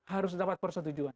harus dapat persetujuan